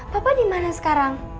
papa di mana sekarang